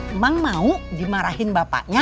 emang mau dimarahin bapaknya